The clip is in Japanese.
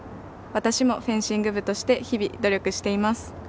私もフェンシング部として日々努力しています。